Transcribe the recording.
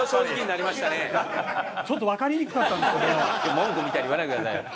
文句みたいに言わないでくださいよ。